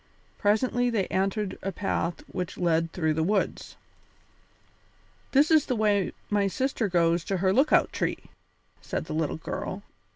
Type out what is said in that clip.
Presently they entered a path which led through the woods. "This is the way my sister goes to her lookout tree," said the little girl.